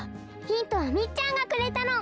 ヒントはみっちゃんがくれたの。